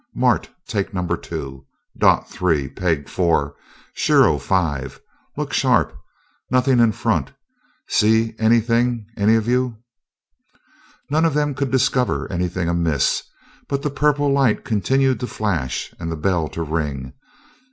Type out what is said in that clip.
Mart, take number two. Dot, three; Peg, four; Shiro, five. Look sharp!... Nothing in front. See anything, any of you?" None of them could discover anything amiss, but the purple light continued to flash, and the bell to ring.